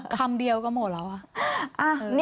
คำเดียวก็หมดแล้วอะ